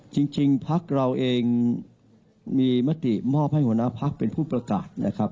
จริงพักเราเองมีมติมอบให้หัวหน้าพักเป็นผู้ประกาศนะครับ